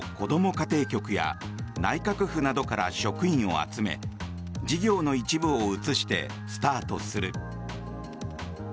家庭局や内閣府などから職員を集め事業の一部を移してスタートする。